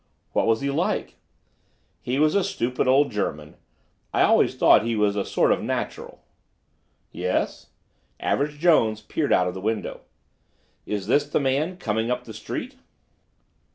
"What was he like?" "He was a stupid old German. I always thought he was a sort of a natural." "Yes?" Average Jones peered out of the window. "Is this the man, coming up the street?"